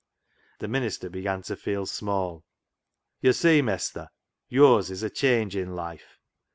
The minister began to feel small. " Yd' see, Mestur, yo'rs is a changin' life.